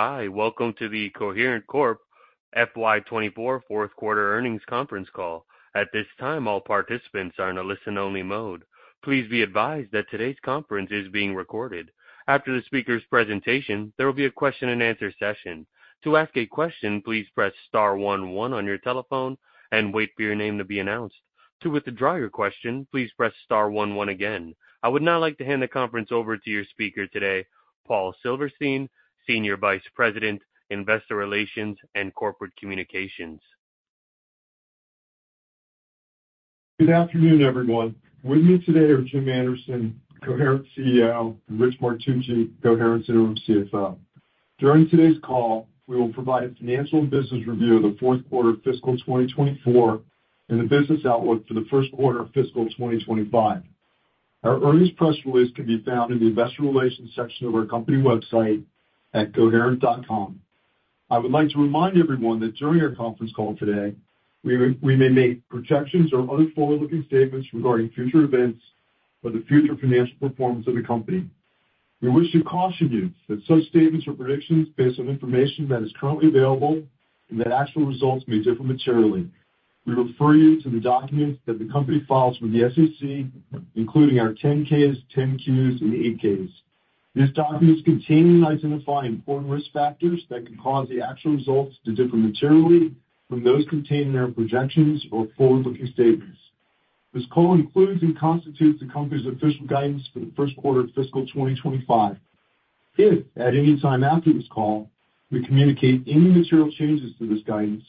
Hi, welcome to the Coherent Corporation FY 2024 fourth quarter earnings conference call. At this time, all participants are in a listen-only mode. Please be advised that today's conference is being recorded. After the speaker's presentation, there will be a question-and-answer session. To ask a question, please press star one one on your telephone and wait for your name to be announced. To withdraw your question, please press star one one again. I would now like to hand the conference over to your speaker today, Paul Silverstein, Senior Vice President, Investor Relations and Corporate Communications. Good afternoon, everyone. With me today are Jim Anderson, Coherent CEO, and Rich Martucci, Coherent's Interim CFO. During today's call, we will provide a financial and business review of the fourth quarter of fiscal 2024 and the business outlook for the first quarter of fiscal 2025. Our earnings press release can be found in the investor relations section of our company website at Coherent.com. I would like to remind everyone that during our conference call today, we may make projections or other forward-looking statements regarding future events or the future financial performance of the company. We wish to caution you that such statements are predictions based on information that is currently available and that actual results may differ materially. We refer you to the documents that the company files with the SEC, including our 10-Ks, 10-Qs, and 8-Ks. These documents contain and identify important risk factors that could cause the actual results to differ materially from those contained in our projections or forward-looking statements. This call includes and constitutes the company's official guidance for the first quarter of fiscal 2025. If at any time after this call, we communicate any material changes to this guidance,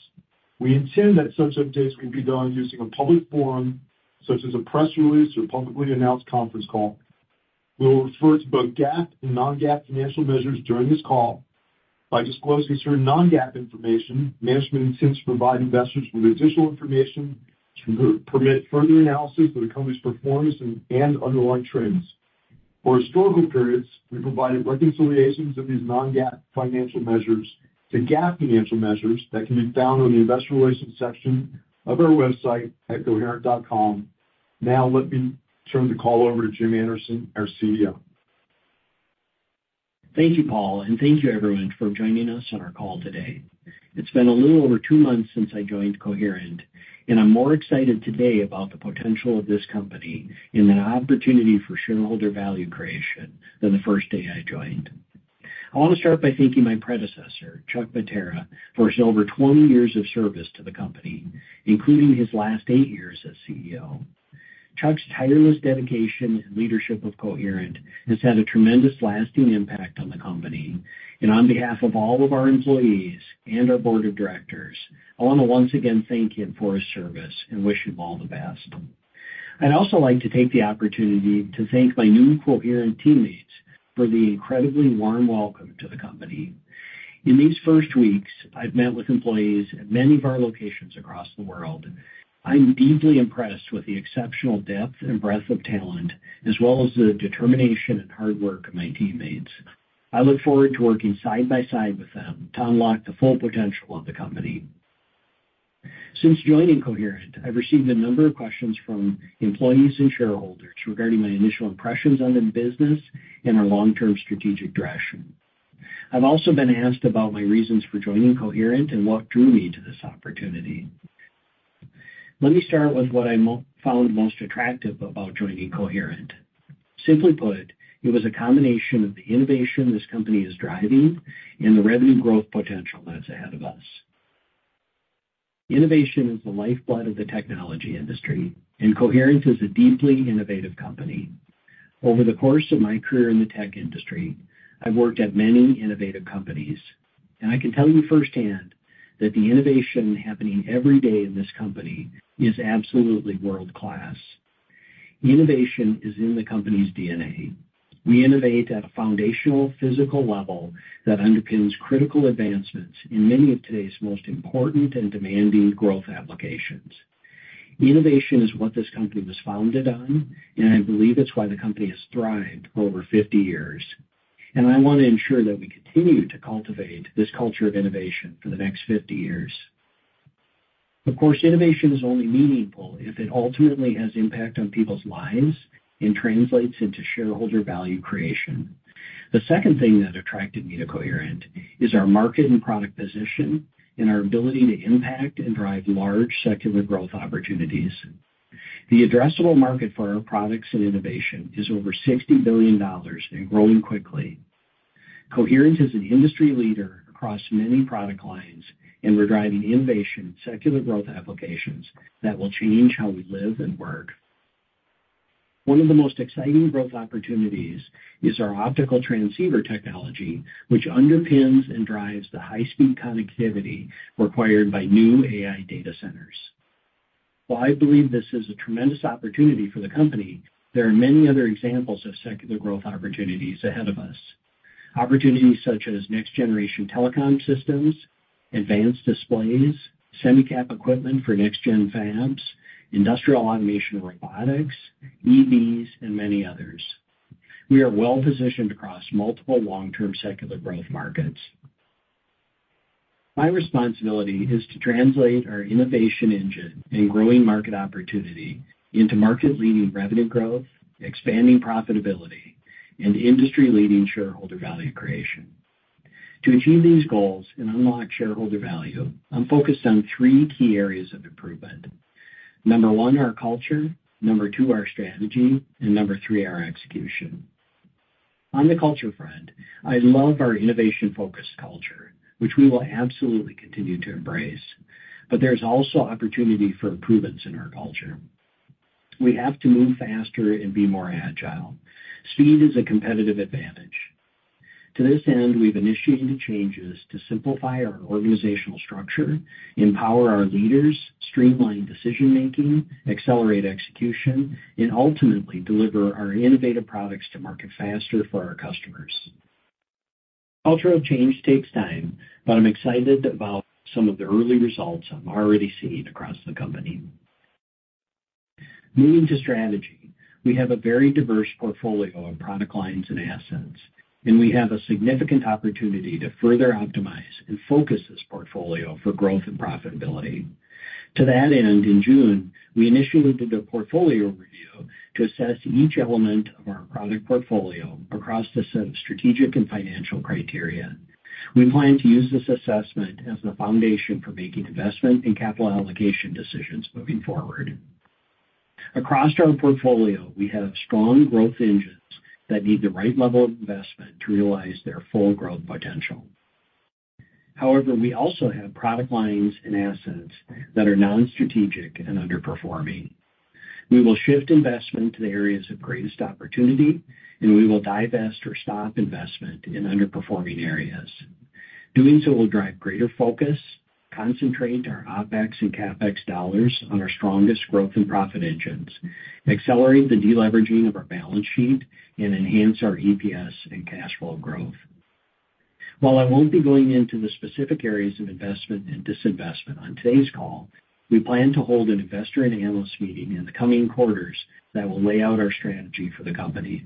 we intend that such updates can be done using a public forum, such as a press release or publicly announced conference call. We'll refer to both GAAP and non-GAAP financial measures during this call. By disclosing certain non-GAAP information, management intends to provide investors with additional information to permit further analysis of the company's performance and underlying trends. For historical periods, we provided reconciliations of these non-GAAP financial measures to GAAP financial measures that can be found on the investor relations section of our website at Coherent.com. Now, let me turn the call over to Jim Anderson, our CEO. Thank you, Paul, and thank you everyone for joining us on our call today. It's been a little over two months since I joined Coherent, and I'm more excited today about the potential of this company and the opportunity for shareholder value creation than the first day I joined. I want to start by thanking my predecessor, Chuck Mattera, for his over 20 years of service to the company, including his last 8 years as CEO. Chuck's tireless dedication and leadership of Coherent has had a tremendous lasting impact on the company, and on behalf of all of our employees and our board of directors, I want to once again thank him for his service and wish him all the best. I'd also like to take the opportunity to thank my new Coherent teammates for the incredibly warm welcome to the company. In these first weeks, I've met with employees at many of our locations across the world. I'm deeply impressed with the exceptional depth and breadth of talent, as well as the determination and hard work of my teammates. I look forward to working side by side with them to unlock the full potential of the company. Since joining Coherent, I've received a number of questions from employees and shareholders regarding my initial impressions on the business and our long-term strategic direction. I've also been asked about my reasons for joining Coherent and what drew me to this opportunity. Let me start with what I found most attractive about joining Coherent. Simply put, it was a combination of the innovation this company is driving and the revenue growth potential that's ahead of us. Innovation is the lifeblood of the technology industry, and Coherent is a deeply innovative company. Over the course of my career in the tech industry, I've worked at many innovative companies, and I can tell you firsthand that the innovation happening every day in this company is absolutely world-class. Innovation is in the company's DNA. We innovate at a foundational physical level that underpins critical advancements in many of today's most important and demanding growth applications. Innovation is what this company was founded on, and I believe it's why the company has thrived for over 50 years, and I want to ensure that we continue to cultivate this culture of innovation for the next 50 years. Of course, innovation is only meaningful if it ultimately has impact on people's lives and translates into shareholder value creation. The second thing that attracted me to Coherent is our market and product position and our ability to impact and drive large secular growth opportunities. The addressable market for our products and innovation is over $60 billion and growing quickly. Coherent is an industry leader across many product lines, and we're driving innovation, secular growth applications that will change how we live and work. One of the most exciting growth opportunities is our optical transceiver technology, which underpins and drives the high-speed connectivity required by new AI data centers. While I believe this is a tremendous opportunity for the company, there are many other examples of secular growth opportunities ahead of us. Opportunities such as next-generation telecom systems, advanced displays, semicap equipment for next-gen fabs, industrial automation and robotics, EVs, and many others. We are well-positioned across multiple long-term secular growth markets. My responsibility is to translate our innovation engine and growing market opportunity into market-leading revenue growth, expanding profitability, and industry-leading shareholder value creation. To achieve these goals and unlock shareholder value, I'm focused on three key areas of improvement. Number 1, our culture, number 2, our strategy, and number 3, our execution. On the culture front, I love our innovation-focused culture, which we will absolutely continue to embrace, but there's also opportunity for improvements in our culture. We have to move faster and be more agile. Speed is a competitive advantage. To this end, we've initiated changes to simplify our organizational structure, empower our leaders, streamline decision-making, accelerate execution, and ultimately deliver our innovative products to market faster for our customers. Cultural change takes time, but I'm excited about some of the early results I'm already seeing across the company. Moving to strategy, we have a very diverse portfolio of product lines and assets, and we have a significant opportunity to further optimize and focus this portfolio for growth and profitability. To that end, in June, we initiated a portfolio review to assess each element of our product portfolio across a set of strategic and financial criteria. We plan to use this assessment as the foundation for making investment and capital allocation decisions moving forward. Across our portfolio, we have strong growth engines that need the right level of investment to realize their full growth potential. However, we also have product lines and assets that are non-strategic and underperforming. We will shift investment to the areas of greatest opportunity, and we will divest or stop investment in underperforming areas. Doing so will drive greater focus, concentrate our OpEx and CapEx dollars on our strongest growth and profit engines, accelerate the deleveraging of our balance sheet, and enhance our EPS and cash flow growth. While I won't be going into the specific areas of investment and disinvestment on today's call, we plan to hold an investor and analyst meeting in the coming quarters that will lay out our strategy for the company.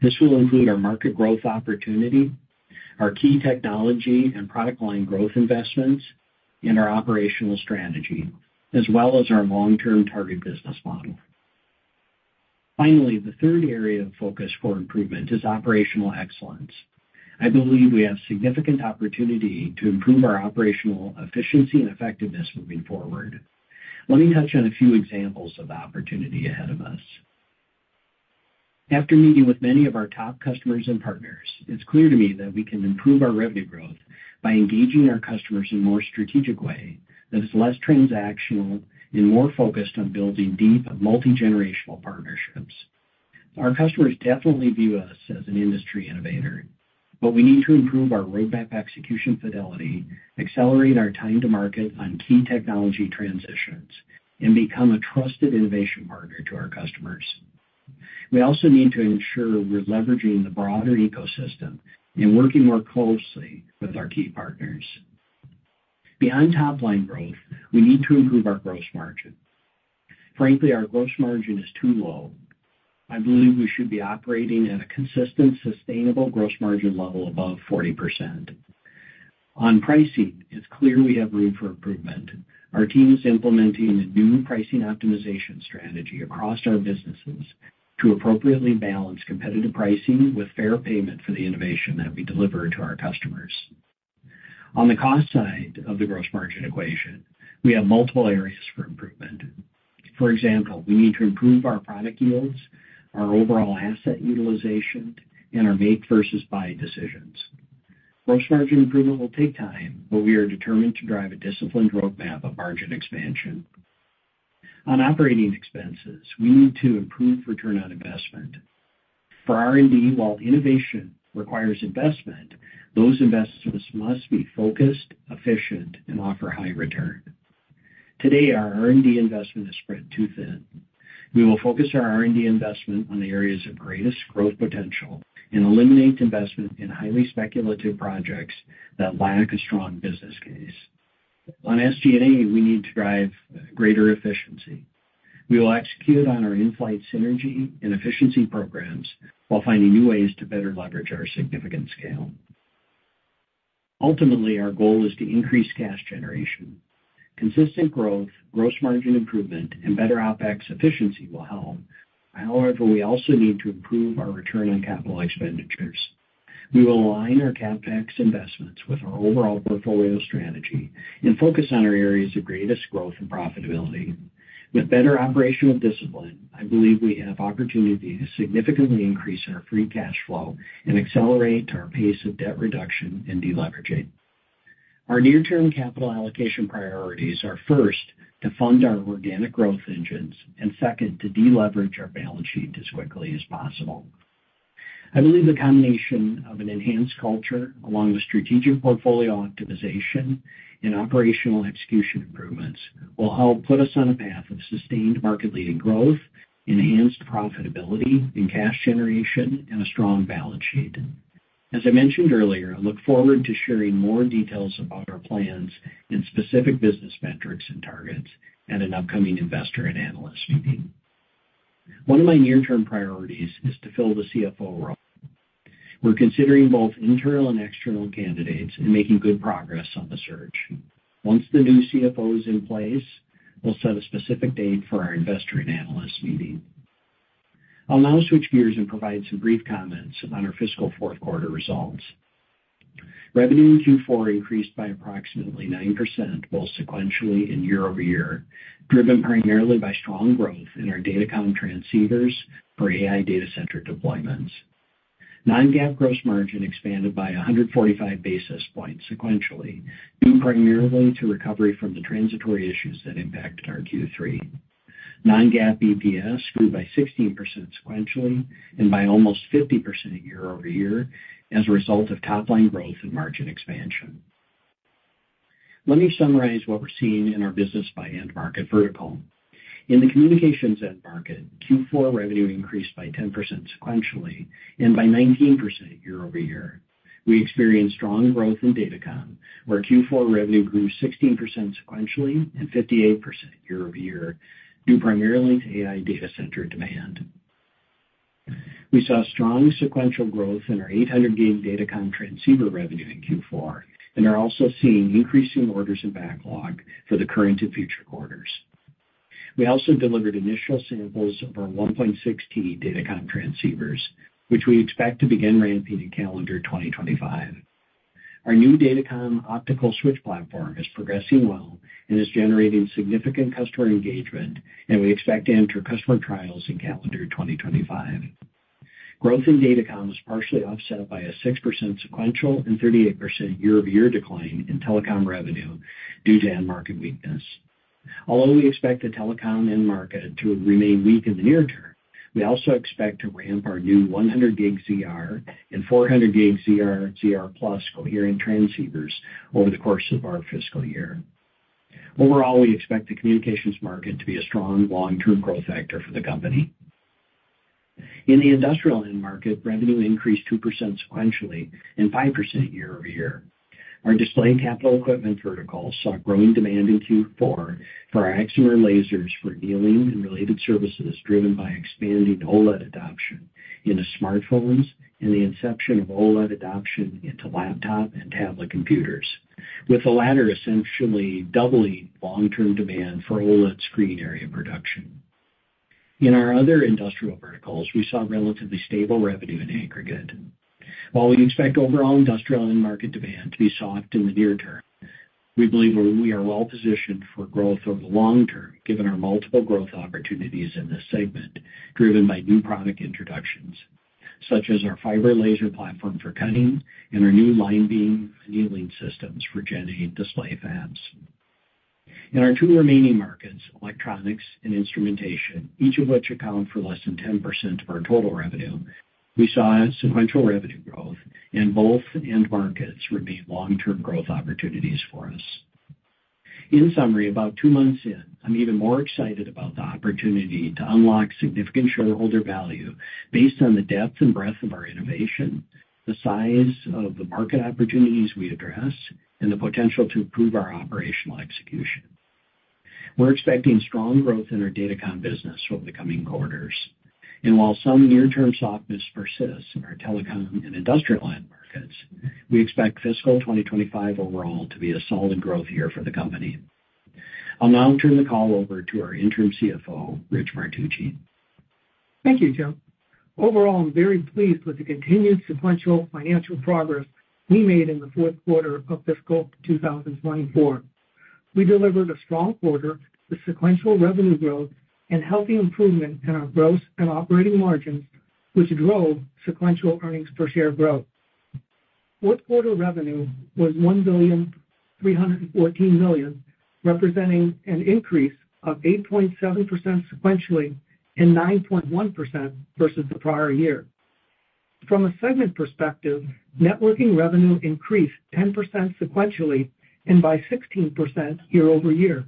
This will include our market growth opportunity, our key technology and product line growth investments, and our operational strategy, as well as our long-term target business model. Finally, the third area of focus for improvement is operational excellence. I believe we have significant opportunity to improve our operational efficiency and effectiveness moving forward. Let me touch on a few examples of the opportunity ahead of us. After meeting with many of our top customers and partners, it's clear to me that we can improve our revenue growth by engaging our customers in a more strategic way that is less transactional and more focused on building deep, multigenerational partnerships. Our customers definitely view us as an industry innovator, but we need to improve our roadmap execution fidelity, accelerate our time to market on key technology transitions, and become a trusted innovation partner to our customers. We also need to ensure we're leveraging the broader ecosystem and working more closely with our key partners. Beyond top-line growth, we need to improve our gross margin. Frankly, our gross margin is too low. I believe we should be operating at a consistent, sustainable gross margin level above 40%. On pricing, it's clear we have room for improvement. Our team is implementing a new pricing optimization strategy across our businesses to appropriately balance competitive pricing with fair payment for the innovation that we deliver to our customers. On the cost side of the gross margin equation, we have multiple areas for improvement. For example, we need to improve our product yields, our overall asset utilization, and our make-versus-buy decisions. Gross margin improvement will take time, but we are determined to drive a disciplined roadmap of margin expansion. On operating expenses, we need to improve return on investment. For R&D, while innovation requires investment, those investments must be focused, efficient, and offer high return. Today, our R&D investment is spread too thin. We will focus our R&D investment on the areas of greatest growth potential and eliminate investment in highly speculative projects that lack a strong business case. On SG&A, we need to drive greater efficiency. We will execute on our in-flight synergy and efficiency programs while finding new ways to better leverage our significant scale. Ultimately, our goal is to increase cash generation. Consistent growth, gross margin improvement, and better OpEx efficiency will help. However, we also need to improve our return on CapEx. We will align our CapEx investments with our overall portfolio strategy and focus on our areas of greatest growth and profitability. With better operational discipline, I believe we have opportunity to significantly increase our free cash flow and accelerate our pace of debt reduction and deleveraging. Our near-term capital allocation priorities are, first, to fund our organic growth engines, and second, to deleverage our balance sheet as quickly as possible. I believe the combination of an enhanced culture, along with strategic portfolio optimization and operational execution improvements, will help put us on a path of sustained market-leading growth, enhanced profitability and cash generation, and a strong balance sheet. As I mentioned earlier, I look forward to sharing more details about our plans and specific business metrics and targets at an upcoming investor and analyst meeting. One of my near-term priorities is to fill the CFO role. We're considering both internal and external candidates and making good progress on the search. Once the new CFO is in place, we'll set a specific date for our investor and analyst meeting. I'll now switch gears and provide some brief comments on our fiscal fourth quarter results. Revenue in Q4 increased by approximately 9%, both sequentially and year-over-year, driven primarily by strong growth in our datacom transceivers for AI data center deployments. Non-GAAP gross margin expanded by 145 basis points sequentially, due primarily to recovery from the transitory issues that impacted our Q3. Non-GAAP EPS grew by 16% sequentially and by almost 50% year-over-year as a result of top-line growth and margin expansion. Let me summarize what we're seeing in our business by end market vertical. In the communications end market, Q4 revenue increased by 10% sequentially and by 19% year-over-year. We experienced strong growth in datacom, where Q4 revenue grew 16% sequentially and 58% year-over-year, due primarily to AI data center demand. We saw strong sequential growth in our 800G datacom transceiver revenue in Q4 and are also seeing increasing orders and backlog for the current and future quarters. We also delivered initial samples of our 1.6T datacom transceivers, which we expect to begin ramping in calendar 2025. Our new datacom optical switch platform is progressing well and is generating significant customer engagement, and we expect to enter customer trials in calendar 2025. Growth in datacom was partially offset by a 6% sequential and 38% year-over-year decline in telecom revenue due to end market weakness. Although we expect the telecom end market to remain weak in the near term, we also expect to ramp our new 100G ZR and 400G ZR/ZR+ Coherent transceivers over the course of our fiscal year. Overall, we expect the communications market to be a strong long-term growth factor for the company. In the industrial end market, revenue increased 2% sequentially and 5% year-over-year. Our display capital equipment vertical saw growing demand in Q4 for our excimer lasers for annealing and related services, driven by expanding OLED adoption into smartphones and the inception of OLED adoption into laptop and tablet computers, with the latter essentially doubling long-term demand for OLED screen area production. In our other industrial verticals, we saw relatively stable revenue in aggregate. While we expect overall industrial end market demand to be soft in the near term, we believe we are well-positioned for growth over the long term, given our multiple growth opportunities in this segment, driven by new product introductions, such as our fiber laser platform for cutting and our new LineBeam annealing systems for Gen 8 display fabs. In our two remaining markets, electronics and instrumentation, each of which account for less than 10% of our total revenue, we saw sequential revenue growth, and both end markets remain long-term growth opportunities for us. In summary, about two months in, I'm even more excited about the opportunity to unlock significant shareholder value based on the depth and breadth of our innovation, the size of the market opportunities we address, and the potential to improve our operational execution. We're expecting strong growth in our datacom business over the coming quarters, and while some near-term softness persists in our telecom and industrial end markets, we expect fiscal 2025 overall to be a solid growth year for the company. I'll now turn the call over to our Interim CFO, Rich Martucci. Thank you, Jim. Overall, I'm very pleased with the continued sequential financial progress we made in the fourth quarter of fiscal 2024. We delivered a strong quarter with sequential revenue growth and healthy improvement in our gross and operating margins, which drove sequential earnings per share growth. Fourth quarter revenue was $1.314 billion, representing an increase of 8.7% sequentially and 9.1% versus the prior year. From a segment perspective, Networking revenue increased 10% sequentially and by 16% year-over-year.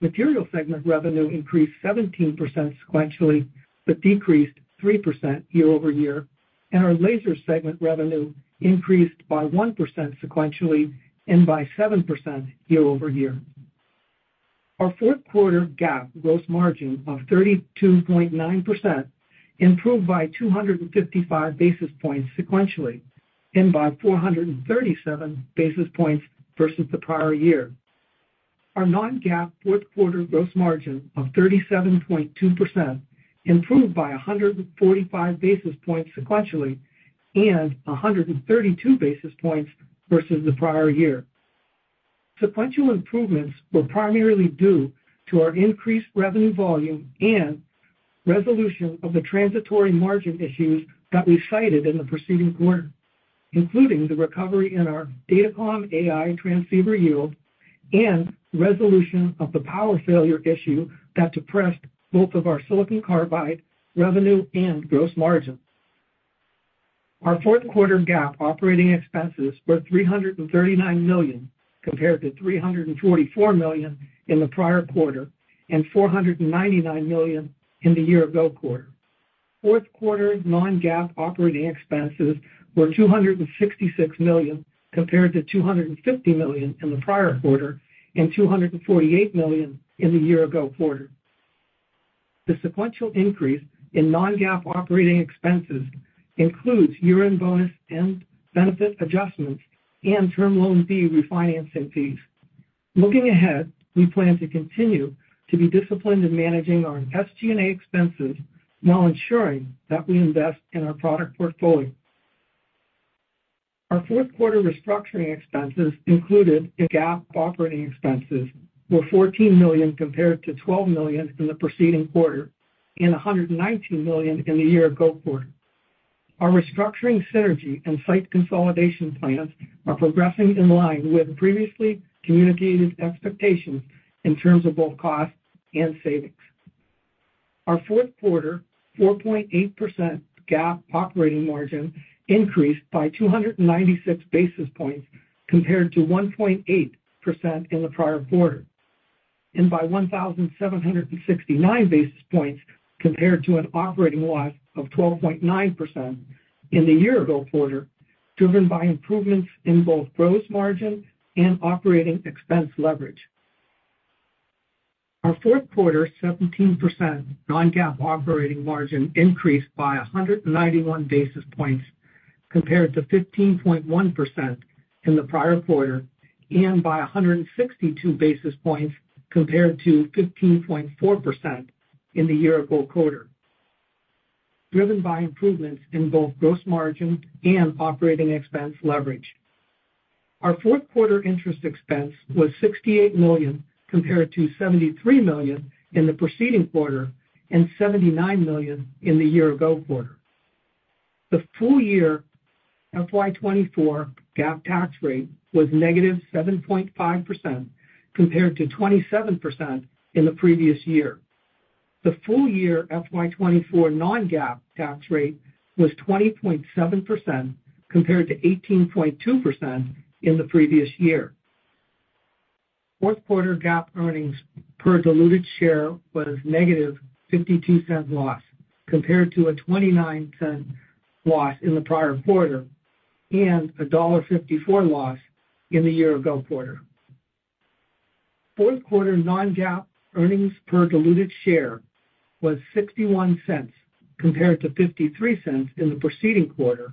Material segment revenue increased 17% sequentially, but decreased 3% year-over-year, and our Laser segment revenue increased by 1% sequentially and by 7% year-over-year. Our fourth quarter GAAP gross margin of 32.9% improved by 255 basis points sequentially and by 437 basis points versus the prior year. Our non-GAAP fourth quarter gross margin of 37.2% improved by 145 basis points sequentially and 132 basis points versus the prior year. Sequential improvements were primarily due to our increased revenue volume and resolution of the transitory margin issues that we cited in the preceding quarter, including the recovery in our datacom AI transceiver yield and resolution of the power failure issue that depressed both of our Silicon Carbide revenue and gross margin. Our fourth quarter GAAP operating expenses were $339 million, compared to $344 million in the prior quarter, and $499 million in the year-ago quarter. Fourth quarter non-GAAP operating expenses were $266 million, compared to $250 million in the prior quarter and $248 million in the year-ago quarter. The sequential increase in non-GAAP operating expenses includes year-end bonus and benefit adjustments and Term Loan B refinancing fees. Looking ahead, we plan to continue to be disciplined in managing our SG&A expenses while ensuring that we invest in our product portfolio. Our fourth quarter restructuring expenses included in GAAP operating expenses were $14 million, compared to $12 million in the preceding quarter, and $119 million in the year-ago quarter. Our restructuring synergy and site consolidation plans are progressing in line with previously communicated expectations in terms of both costs and savings. Our fourth quarter 4.8% GAAP operating margin increased by 296 basis points compared to 1.8% in the prior quarter, and by 1,769 basis points compared to an operating loss of 12.9% in the year-ago quarter, driven by improvements in both gross margin and operating expense leverage. Our fourth quarter 17% non-GAAP operating margin increased by 191 basis points compared to 15.1% in the prior quarter, and by 162 basis points compared to 15.4% in the year-ago quarter, driven by improvements in both gross margin and operating expense leverage. Our fourth quarter interest expense was $68 million, compared to $73 million in the preceding quarter and $79 million in the year-ago quarter. The full-year FY 2024 GAAP tax rate was negative 7.5%, compared to 27% in the previous year. The full-year FY 2024 non-GAAP tax rate was 20.7%, compared to 18.2% in the previous year. Fourth quarter GAAP earnings per diluted share was negative $0.52 loss, compared to a $0.29 loss in the prior quarter and a $1.54 loss in the year-ago quarter. Fourth quarter non-GAAP earnings per diluted share was $0.61, compared to $0.53 in the preceding quarter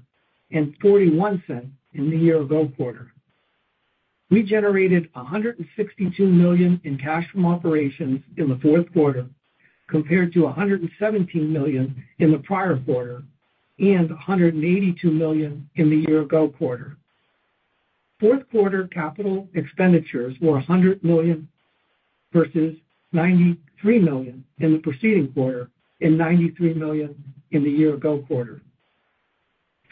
and $0.41 in the year-ago quarter. We generated $162 million in cash from operations in the fourth quarter, compared to $117 million in the prior quarter and $182 million in the year-ago quarter. Fourth quarter CapEx were $100 million versus $93 million in the preceding quarter, and $93 million in the year-ago quarter.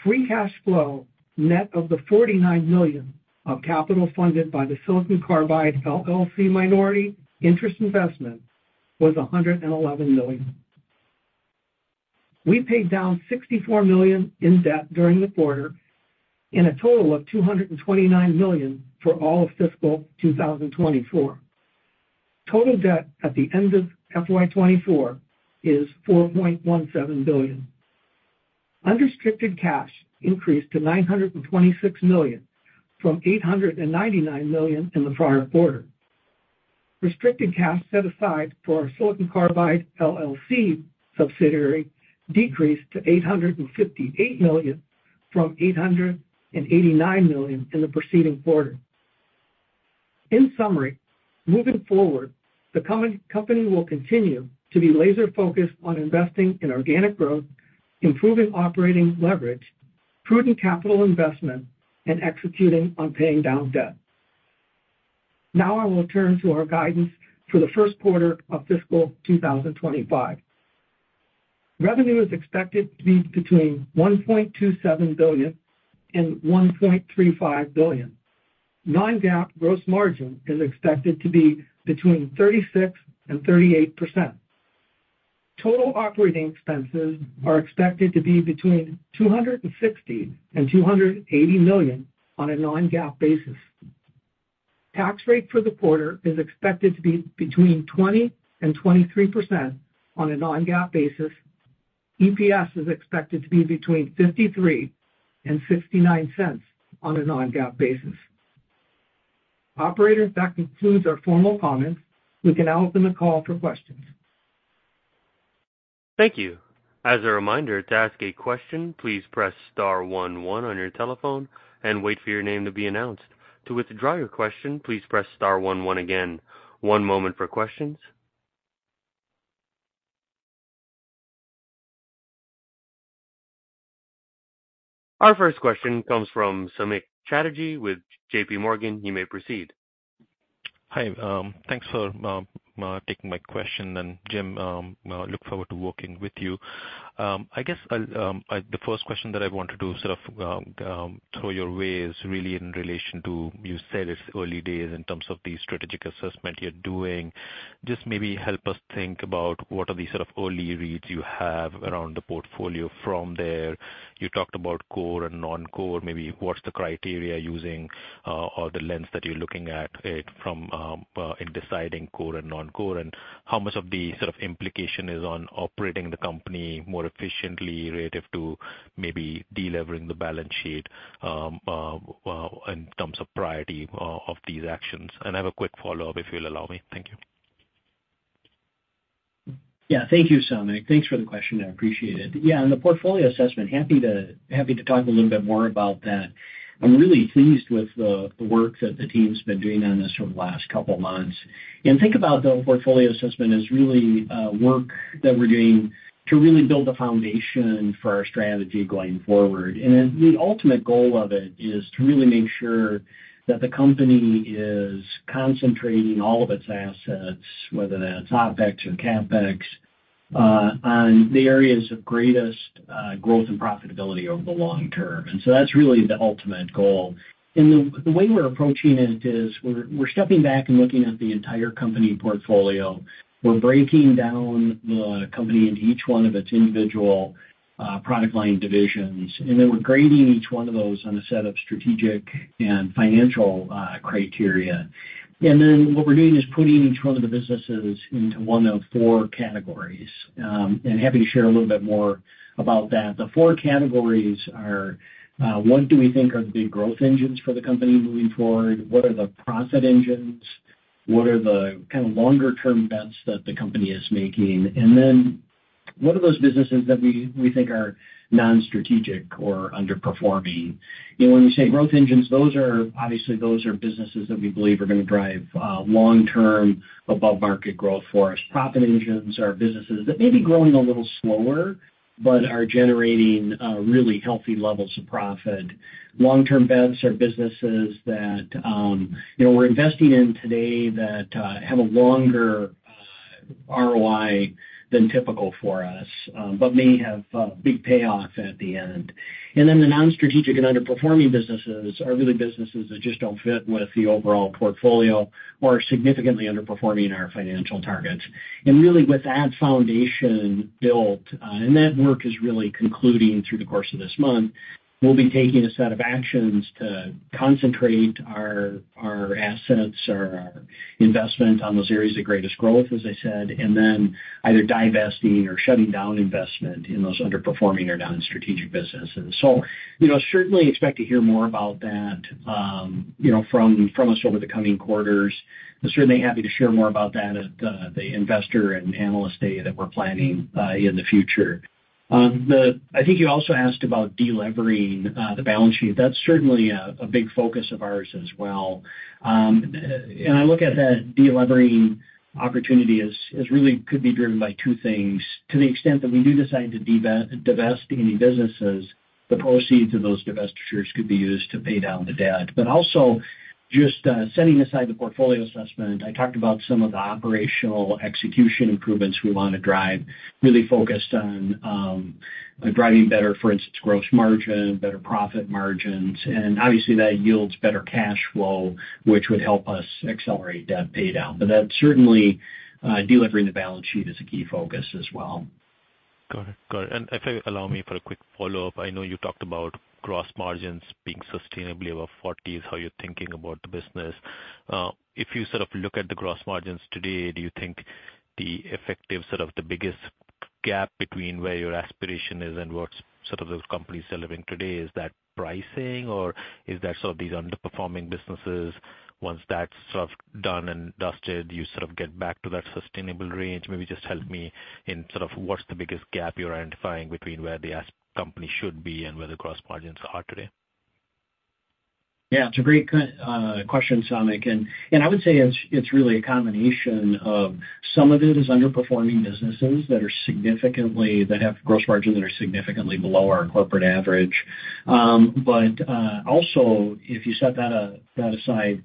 Free cash flow, net of the $49 million of capital funded by the Silicon Carbide LLC minority interest investment, was $111 million. We paid down $64 million in debt during the quarter in a total of $229 million for all of fiscal 2024. Total debt at the end of FY 2024 is $4.17 billion. Unrestricted cash increased to $926 million from $899 million in the prior quarter. Restricted cash set aside for our Silicon Carbide LLC subsidiary decreased to $858 million from $889 million in the preceding quarter. In summary, moving forward, the company will continue to be laser-focused on investing in organic growth, improving operating leverage, prudent capital investment, and executing on paying down debt. Now I will turn to our guidance for the first quarter of fiscal 2025. Revenue is expected to be between $1.27 billion and $1.35 billion. Non-GAAP gross margin is expected to be between 36% and 38%. Total operating expenses are expected to be between $260 million and $280 million on a non-GAAP basis. Tax rate for the quarter is expected to be between 20% and 23% on a non-GAAP basis. EPS is expected to be between $0.53 and $0.69 on a non-GAAP basis. Operator, that concludes our formal comments. We can now open the call for questions. Thank you. As a reminder, to ask a question, please press star one one on your telephone and wait for your name to be announced. To withdraw your question, please press star one one again. One moment for questions. Our first question comes from Samik Chatterjee with JPMorgan. You may proceed. Hi, thanks for taking my question, and Jim, look forward to working with you. I guess I'll—the first question that I wanted to sort of throw your way is really in relation to, you said it's early days in terms of the strategic assessment you're doing. Just maybe help us think about what are the sort of early reads you have around the portfolio from there. You talked about core and non-core. Maybe what's the criteria using, or the lens that you're looking at it from in deciding core and non-core? And how much of the sort of implication is on operating the company more efficiently relative to maybe deleveraging the balance sheet in terms of priority of these actions? And I have a quick follow-up, if you'll allow me. Thank you. Yeah, thank you, Samik. Thanks for the question. I appreciate it. Yeah, on the portfolio assessment, happy to, happy to talk a little bit more about that. I'm really pleased with the, the work that the team's been doing on this over the last couple of months. Think about the portfolio assessment as really, work that we're doing to really build a foundation for our strategy going forward. Then the ultimate goal of it is to really make sure that the company is concentrating all of its assets, whether that's OpEx or CapEx, on the areas of greatest, growth and profitability over the long term. So that's really the ultimate goal. The, the way we're approaching it is we're, we're stepping back and looking at the entire company portfolio. We're breaking down the company into each one of its individual product line divisions, and then we're grading each one of those on a set of strategic and financial criteria. And then what we're doing is putting each one of the businesses into one of four categories. Happy to share a little bit more about that. The four categories are, what do we think are the big growth engines for the company moving forward? What are the profit engines? What are the kind of longer-term bets that the company is making? And then what are those businesses that we think are non-strategic or underperforming? And when we say growth engines, those are, obviously, those are businesses that we believe are gonna drive long-term above-market growth for us. Profit engines are businesses that may be growing a little slower, but are generating really healthy levels of profit. Long-term bets are businesses that, you know, we're investing in today that have a longer ROI than typical for us, but may have a big payoff at the end. And then the non-strategic and underperforming businesses are really businesses that just don't fit with the overall portfolio or are significantly underperforming our financial targets. And really, with that foundation built, and that work is really concluding through the course of this month, we'll be taking a set of actions to concentrate our, our assets, our investment on those areas of greatest growth, as I said, and then either divesting or shutting down investment in those underperforming or non-strategic businesses. So you know, certainly expect to hear more about that, you know, from, from us over the coming quarters. I'm certainly happy to share more about that at the, the investor and analyst day that we're planning, in the future. I think you also asked about deleveraging, the balance sheet. That's certainly a, a big focus of ours as well. And I look at that deleveraging opportunity as, as really could be driven by two things. To the extent that we do decide to divest any businesses, the proceeds of those divestitures could be used to pay down the debt. But also, just setting aside the portfolio assessment, I talked about some of the operational execution improvements we want to drive, really focused on driving better, for instance, gross margin, better profit margins, and obviously, that yields better cash flow, which would help us accelerate debt paydown. But that certainly, deleveraging the balance sheet is a key focus as well. Got it, got it. And if you allow me for a quick follow-up, I know you talked about gross margins being sustainably above 40 is how you're thinking about the business. If you sort of look at the gross margins today, do you think the effective, sort of the biggest gap between where your aspiration is and what's sort of those companies delivering today, is that pricing, or is that sort of these underperforming businesses? Once that's sort of done and dusted, you sort of get back to that sustainable range. Maybe just help me in sort of what's the biggest gap you're identifying between where the company should be and where the gross margins are today. Yeah, it's a great question, Samik, and I would say it's really a combination of some of it is underperforming businesses that have gross margins that are significantly below our corporate average. But also, if you set that aside,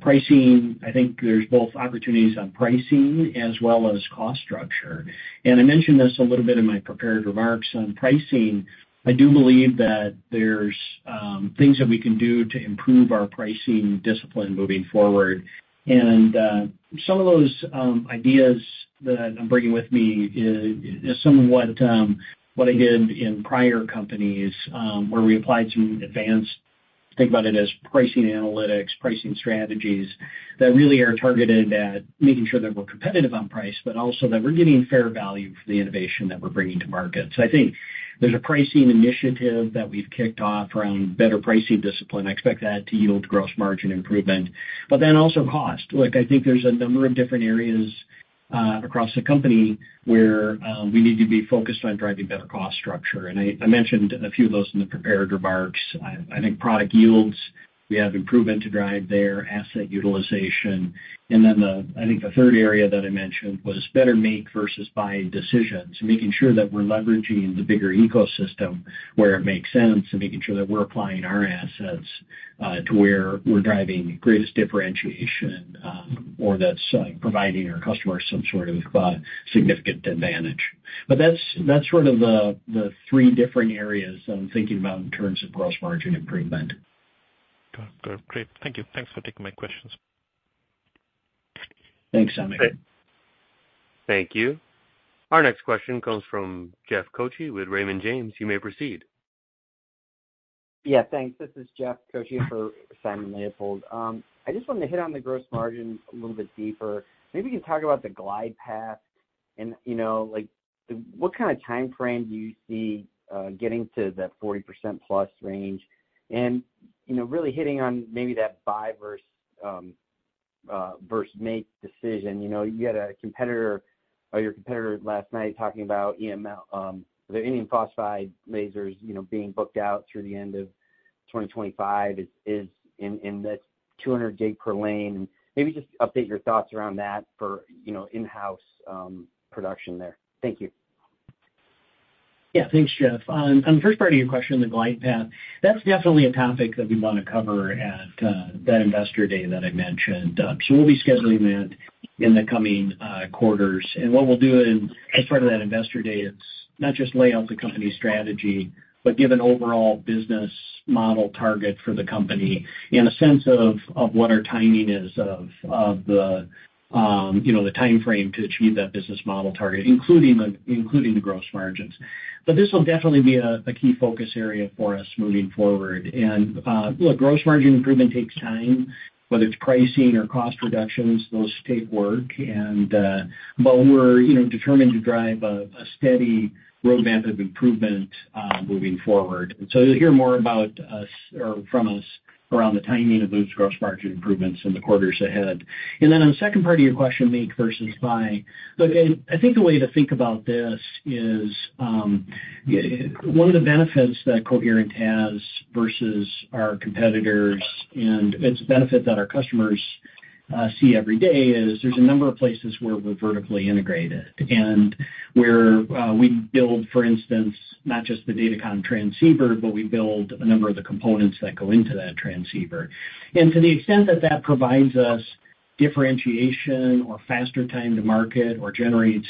pricing, I think there's both opportunities on pricing as well as cost structure. And I mentioned this a little bit in my prepared remarks. On pricing, I do believe that there's things that we can do to improve our pricing discipline moving forward. Some of those ideas that I'm bringing with me is somewhat what I did in prior companies, where we applied some advanced, think about it as pricing analytics, pricing strategies, that really are targeted at making sure that we're competitive on price, but also that we're getting fair value for the innovation that we're bringing to market. So I think there's a pricing initiative that we've kicked off around better pricing discipline. I expect that to yield gross margin improvement, but then also cost. Look, I think there's a number of different areas across the company where we need to be focused on driving better cost structure, and I, I mentioned a few of those in the prepared remarks. I think product yields, we have improvement to drive there, asset utilization, and then the, I think the third area that I mentioned was better make versus buy decisions, making sure that we're leveraging the bigger ecosystem where it makes sense, and making sure that we're applying our assets to where we're driving greatest differentiation, or that's providing our customers some sort of significant advantage. But that's sort of the three different areas I'm thinking about in terms of gross margin improvement. Got it. Got it. Great. Thank you. Thanks for taking my questions. Thanks, Saumik. Thank you. Our next question comes from Jeff Koche with Raymond James. You may proceed. Yeah, thanks. This is Jeff Koche for Simon Leopold. I just wanted to hit on the gross margin a little bit deeper. Maybe you can talk about the glide path and, you know, like, what kind of timeframe do you see getting to that 40%+ range? And, you know, really hitting on maybe that buy versus make decision. You know, you had a competitor or your competitor last night talking about EML, the indium phosphide lasers, you know, being booked out through the end of 2025 in the 200 gig per lane. Maybe just update your thoughts around that for, you know, in-house production there. Thank you. Yeah. Thanks, Jeff. On the first part of your question, the glide path, that's definitely a topic that we wanna cover at that Investor Day that I mentioned. So we'll be scheduling that in the coming quarters. And what we'll do in, as part of that Investor Day is not just lay out the company's strategy, but give an overall business model target for the company and a sense of what our timing is of the timeframe to achieve that business model target, including the gross margins. But this will definitely be a key focus area for us moving forward. And look, gross margin improvement takes time, whether it's pricing or cost reductions, those take work. And but we're, you know, determined to drive a steady roadmap of improvement moving forward. So you'll hear more about us or from us around the timing of those gross margin improvements in the quarters ahead. And then on the second part of your question, make versus buy. Look, I, I think the way to think about this is, one of the benefits that Coherent has versus our competitors, and it's a benefit that our customers, see every day, is there's a number of places where we're vertically integrated. And where, we build, for instance, not just the datacom transceiver, but we build a number of the components that go into that transceiver. And to the extent that that provides us differentiation or faster time to market or generates,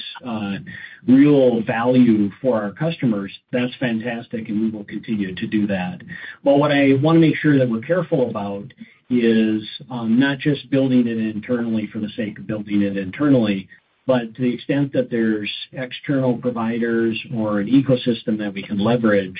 real value for our customers, that's fantastic, and we will continue to do that. But what I wanna make sure that we're careful about is not just building it internally for the sake of building it internally, but to the extent that there's external providers or an ecosystem that we can leverage,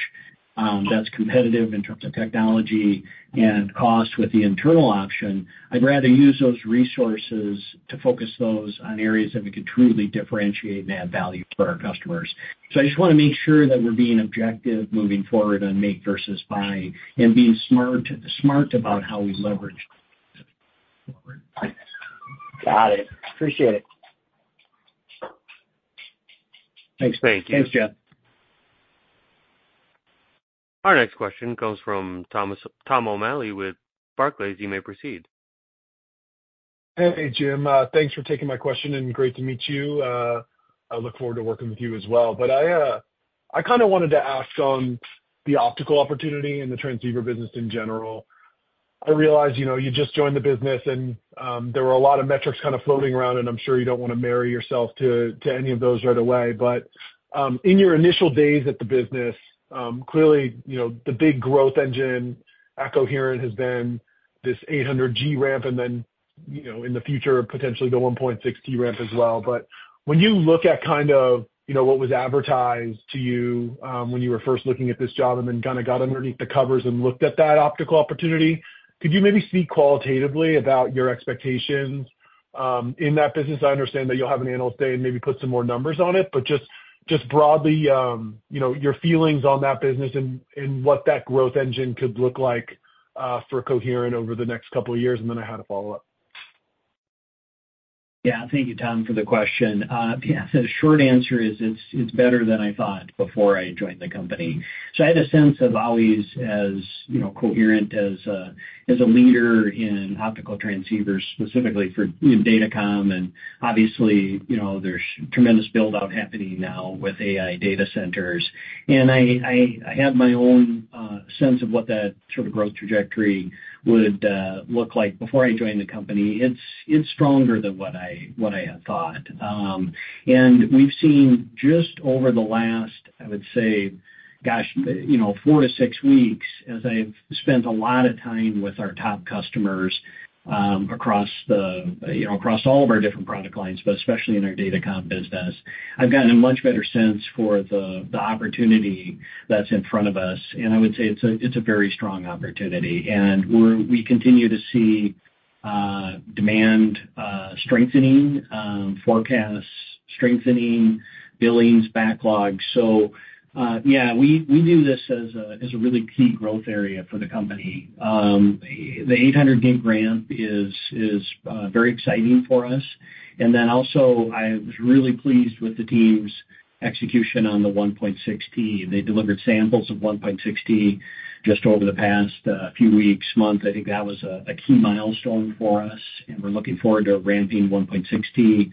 that's competitive in terms of technology and cost with the internal option, I'd rather use those resources to focus those on areas that we can truly differentiate and add value for our customers. So I just wanna make sure that we're being objective moving forward on make versus buy and being smart, smart about how we leverage. Got it. Appreciate it. Thanks. Thank you. Thanks, Jeff. Our next question comes from Thomas, Tom O'Malley, with Barclays. You may proceed. Hey, Jim. Thanks for taking my question and great to meet you. I look forward to working with you as well. But I kinda wanted to ask on the optical opportunity and the transceiver business in general. I realize, you know, you just joined the business, and there were a lot of metrics kind of floating around, and I'm sure you don't wanna marry yourself to any of those right away. But in your initial days at the business, clearly, you know, the big growth engine at Coherent has been this 800G ramp, and then, you know, in the future, potentially the 1.6T ramp as well. When you look at kind of, you know, what was advertised to you, when you were first looking at this job and then kinda got underneath the covers and looked at that optical opportunity, could you maybe speak qualitatively about your expectations in that business? I understand that you'll have an Analyst Day and maybe put some more numbers on it, but just broadly, you know, your feelings on that business and what that growth engine could look like for Coherent over the next couple of years. And then I had a follow-up. Yeah. Thank you, Tom, for the question. Yeah, so the short answer is it's better than I thought before I joined the company. So I had a sense of always, as you know, Coherent as a leader in optical transceivers, specifically for in datacom, and obviously, you know, there's tremendous build-out happening now with AI data centers. And I had my own sense of what that sort of growth trajectory would look like before I joined the company. It's stronger than what I had thought. And we've seen just over the last, I would say, gosh, you know, 4-6 weeks, as I've spent a lot of time with our top customers, across, you know, across all of our different product lines, but especially in our datacom business, I've gotten a much better sense for the opportunity that's in front of us, and I would say it's a very strong opportunity. And we continue to see demand strengthening, forecasts strengthening, billings, backlogs. So, yeah, we view this as a really key growth area for the company. The 800G ramp is very exciting for us. And then also, I was really pleased with the team's execution on the 1.6T. They delivered samples of 1.6T just over the past few weeks, month. I think that was a key milestone for us, and we're looking forward to ramping 1.6T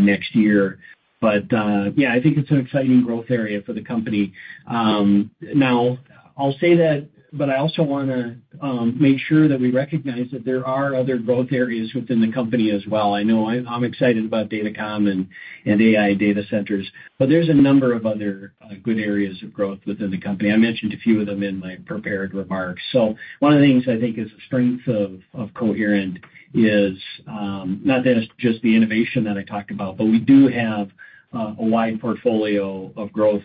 next year. But yeah, I think it's an exciting growth area for the company. Now I'll say that, but I also wanna make sure that we recognize that there are other growth areas within the company as well. I know I'm excited about datacom and AI data centers, but there's a number of other good areas of growth within the company. I mentioned a few of them in my prepared remarks. So one of the things I think is a strength of Coherent is not that it's just the innovation that I talked about, but we do have a wide portfolio of growth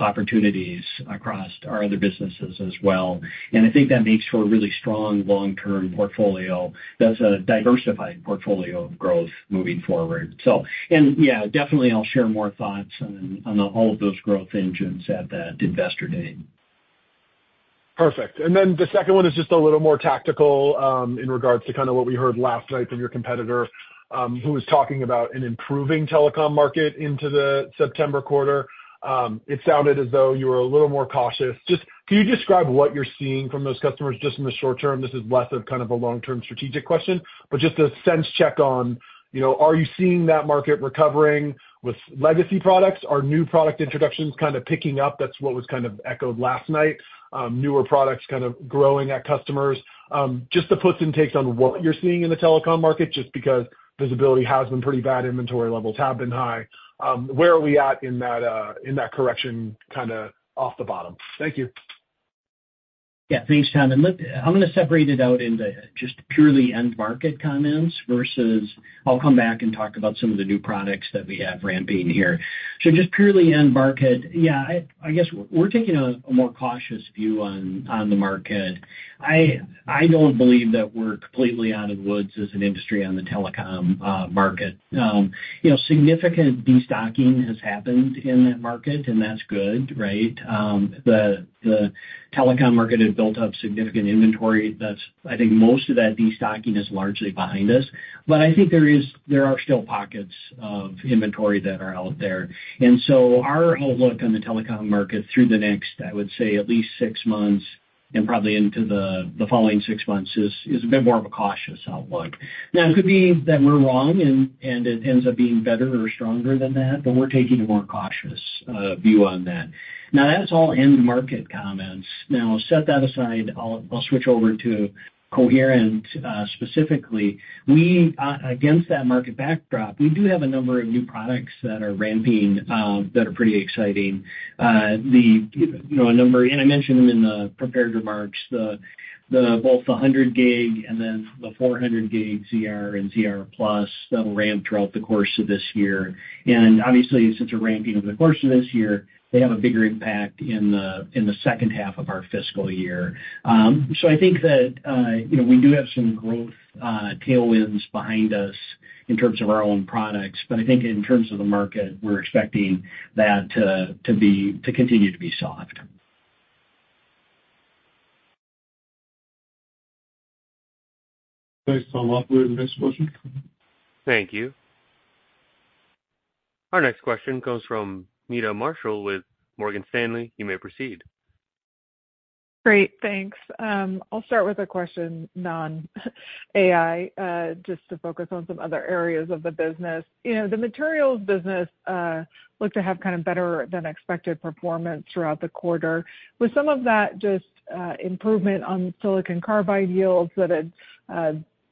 opportunities across our other businesses as well. And I think that makes for a really strong long-term portfolio, that's a diversified portfolio of growth moving forward. So and, yeah, definitely, I'll share more thoughts on all of those growth engines at that Investor Day. Perfect. Then the second one is just a little more tactical, in regards to kind of what we heard last night from your competitor, who was talking about an improving telecom market into the September quarter. It sounded as though you were a little more cautious. Just, can you describe what you're seeing from those customers just in the short term? This is less of kind of a long-term strategic question, but just a sense check on, you know, are you seeing that market recovering with legacy products? Are new product introductions kind of picking up? That's what was kind of echoed last night, newer products kind of growing at customers. Just the puts and takes on what you're seeing in the telecom market, just because visibility has been pretty bad, inventory levels have been high. Where are we at in that, in that correction, kind of off the bottom? Thank you. Yeah, thanks, Tom. Look, I'm gonna separate it out into just purely end market comments versus I'll come back and talk about some of the new products that we have ramping here. Just purely end market. Yeah, I guess we're taking a more cautious view on the market. I don't believe that we're completely out of the woods as an industry on the telecom market. You know, significant destocking has happened in that market, and that's good, right? The telecom market had built up significant inventory. I think most of that destocking is largely behind us. But I think there are still pockets of inventory that are out there. And so our whole look on the telecom market through the next, I would say, at least six months and probably into the following six months is a bit more of a cautious outlook. Now, it could be that we're wrong and it ends up being better or stronger than that, but we're taking a more cautious view on that. Now, that's all end market comments. Now, set that aside. I'll switch over to Coherent. Specifically, we against that market backdrop do have a number of new products that are ramping that are pretty exciting. The you know a number, and I mentioned them in the prepared remarks, both the 100G and then the 400G ZR and ZR+ that'll ramp throughout the course of this year. And obviously, since they're ramping over the course of this year, they have a bigger impact in the second half of our fiscal year. So I think that, you know, we do have some growth tailwinds behind us in terms of our own products, but I think in terms of the market, we're expecting that to continue to be soft. Thanks. Operator, next question. Thank you. Our next question comes from Meta Marshall with Morgan Stanley. You may proceed. Great, thanks. I'll start with a question, non-AI, just to focus on some other areas of the business. You know, the Materials business looked to have kind of better than expected performance throughout the quarter. Was some of that just improvement on Silicon Carbide yields that had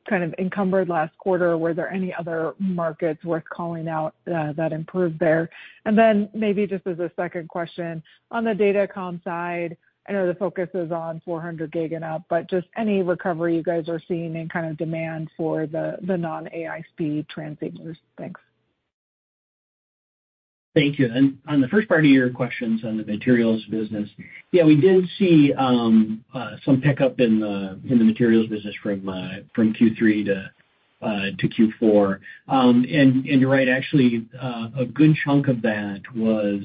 kind of encumbered last quarter? Were there any other markets worth calling out that improved there? And then maybe just as a second question, on the datacom side, I know the focus is on 400 gig and up, but just any recovery you guys are seeing in kind of demand for the non-AI speed transceivers? Thanks. Thank you. And on the first part of your questions on the Materials business, yeah, we did see some pickup in the Materials business from Q3 to Q4. And you're right, actually, a good chunk of that was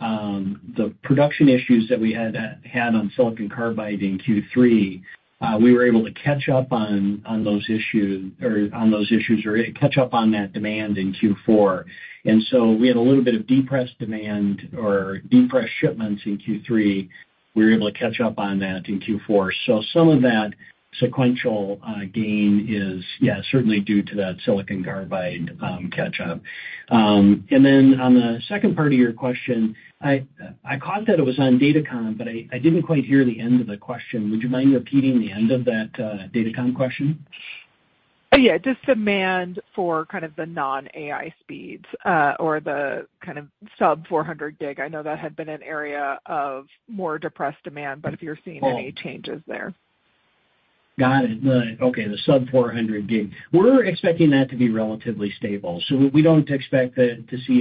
the production issues that we had had on Silicon Carbide in Q3. We were able to catch up on those issues or catch up on that demand in Q4. And so we had a little bit of depressed demand or depressed shipments in Q3. We were able to catch up on that in Q4. So some of that sequential gain is, yeah, certainly due to that Silicon Carbide catch up. And then on the second part of your question, I caught that it was on datacom, but I didn't quite hear the end of the question. Would you mind repeating the end of that datacom question? Yeah, just demand for kind of the non-AI speeds, or the kind of sub-400G. I know that had been an area of more depressed demand, but if you're seeing any changes there. Got it. Okay, the sub-400G. We're expecting that to be relatively stable, so we don't expect to see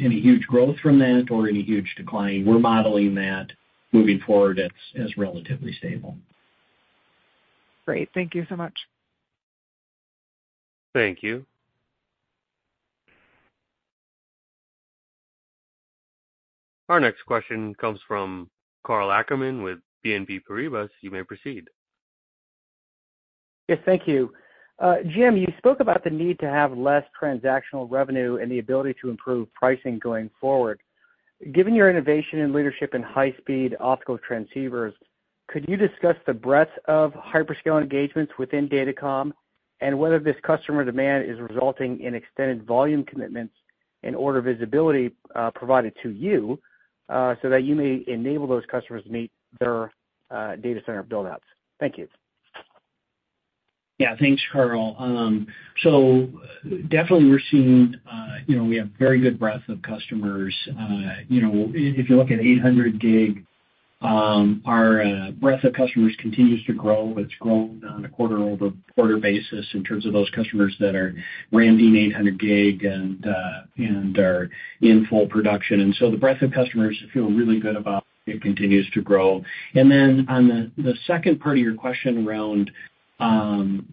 any huge growth from that or any huge decline. We're modeling that moving forward as relatively stable. Great. Thank you so much. Thank you. Our next question comes from Karl Ackerman with BNP Paribas. You may proceed. Yes, thank you. Jim, you spoke about the need to have less transactional revenue and the ability to improve pricing going forward. Given your innovation and leadership in high-speed optical transceivers, could you discuss the breadth of hyperscale engagements within datacom and whether this customer demand is resulting in extended volume commitments and order visibility provided to you so that you may enable those customers to meet their data center buildouts? Thank you. Yeah, thanks, Karl. So definitely we're seeing, you know, we have very good breadth of customers. You know, if you look at 800G, our breadth of customers continues to grow. It's grown on a quarter-over-quarter basis in terms of those customers that are ramping 800G and are in full production. And so the breadth of customers feel really good about it continues to grow. And then on the second part of your question around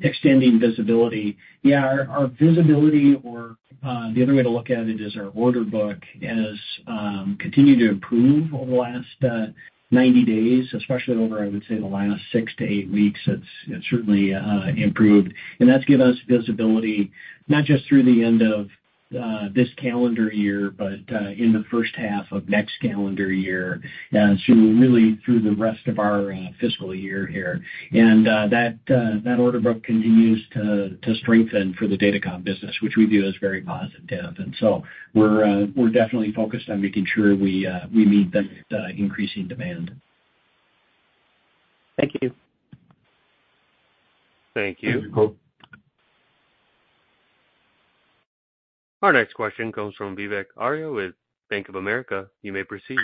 extending visibility, yeah, our visibility. The other way to look at it is our order book has continued to improve over the last 90 days, especially over, I would say, the last 6-8 weeks, it's certainly improved. And that's given us visibility, not just through the end of this calendar year, but in the first half of next calendar year, so really through the rest of our fiscal year here. And that order book continues to strengthen for the datacom business, which we view as very positive. And so we're definitely focused on making sure we meet the increasing demand. Thank you. Thank you. You're welcome. Our next question comes from Vivek Arya with Bank of America. You may proceed.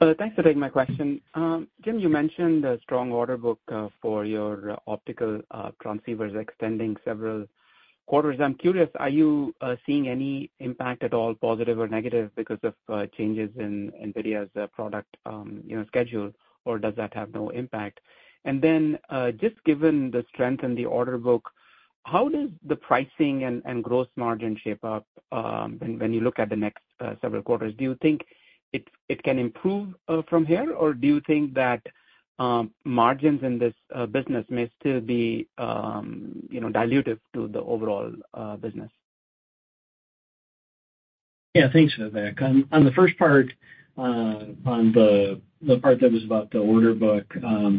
Thanks for taking my question. Jim, you mentioned the strong order book for your optical transceivers extending several quarters. I'm curious, are you seeing any impact at all, positive or negative, because of changes in NVIDIA's product, you know, schedule, or does that have no impact? And then, just given the strength in the order book, how does the pricing and gross margin shape up, when you look at the next several quarters? Do you think it can improve from here, or do you think that margins in this business may still be, you know, dilutive to the overall business? Yeah, thanks, Vivek. On the first part, on the part that was about the order book,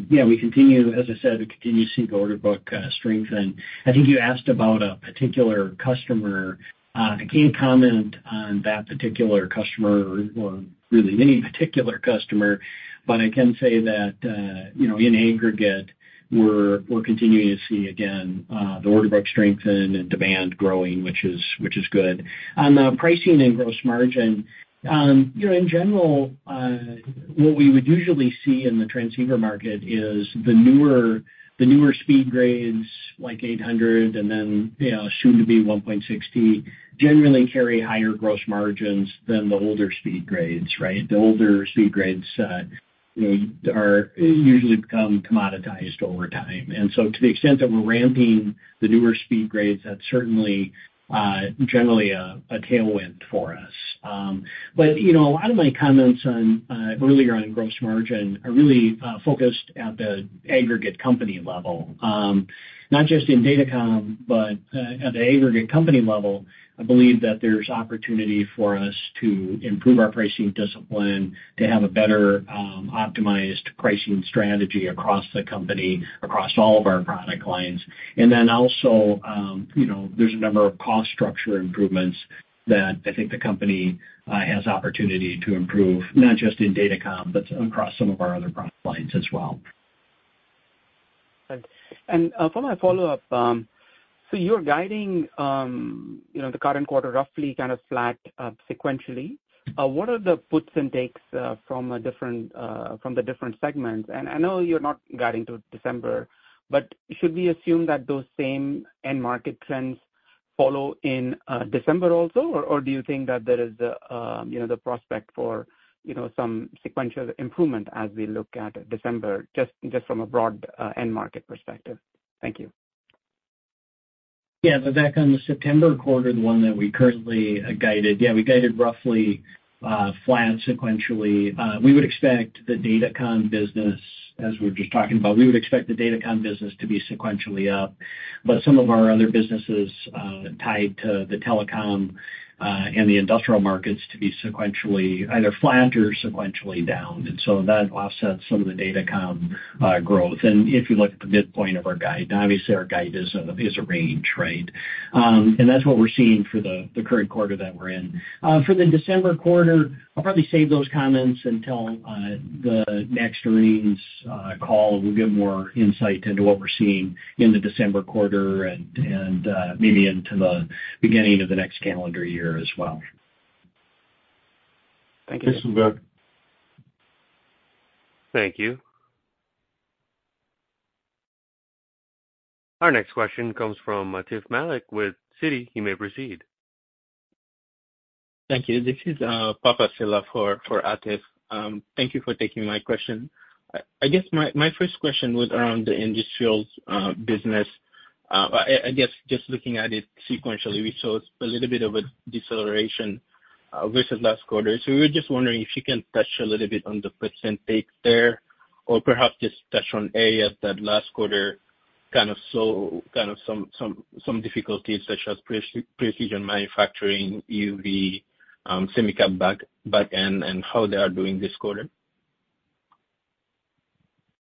yeah, we continue, as I said, we continue to see the order book strengthen. I think you asked about a particular customer. I can't comment on that particular customer or really any particular customer, but I can say that, you know, in aggregate, we're continuing to see, again, the order book strengthen and demand growing, which is good. On the pricing and gross margin, you know, in general, what we would usually see in the transceiver market is the newer speed grades, like 800, and then, you know, soon to be 1.6, generally carry higher gross margins than the older speed grades, right? The older speed grades, you know, are usually become commoditized over time. And so to the extent that we're ramping the newer speed grades, that's certainly generally a tailwind for us. But you know, a lot of my comments on earlier on gross margin are really focused at the aggregate company level. Not just in datacom, but at the aggregate company level, I believe that there's opportunity for us to improve our pricing discipline, to have a better optimized pricing strategy across the company, across all of our product lines. And then also, you know, there's a number of cost structure improvements that I think the company has opportunity to improve, not just in datacom, but across some of our other product lines as well. Thanks. And for my follow-up, so you're guiding, you know, the current quarter roughly kind of flat, sequentially. What are the puts and takes from the different segments? And I know you're not guiding to December, but should we assume that those same end market trends follow in December also? Or do you think that there is, you know, the prospect for, you know, some sequential improvement as we look at December, just from a broad end market perspective? Thank you. Yeah, Vivek, on the September quarter, the one that we currently guided, yeah, we guided roughly flat sequentially. We would expect the datacom business, as we were just talking about, we would expect the datacom business to be sequentially up, but some of our other businesses tied to the telecom and the industrial markets to be sequentially either flat or sequentially down. And so that offsets some of the datacom growth. And if you look at the midpoint of our guide, obviously our guide is a range, right? And that's what we're seeing for the current quarter that we're in. For the December quarter, I'll probably save those comments until the next earnings call. We'll give more insight into what we're seeing in the December quarter and maybe into the beginning of the next calendar year as well. Thank you. Thank you. Our next question comes from Atif Malik with Citi. You may proceed. Thank you. This is Papa Sylla for Atif. Thank you for taking my question. I guess my first question was around the industrials business. I guess, just looking at it sequentially, we saw a little bit of a deceleration versus last quarter. So we were just wondering if you can touch a little bit on the puts and takes there, or perhaps just touch on areas that last quarter kind of saw some difficulties, such as precision manufacturing, EUV, semi capex, and how they are doing this quarter.